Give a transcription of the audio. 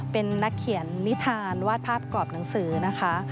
เป็นนักเขียนนิทานวาดภาพกรอบหนังสือนะคะ